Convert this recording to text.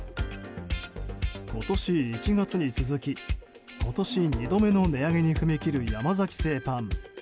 今年１月に続き今年２度目の値上げに踏み切る山崎製パン。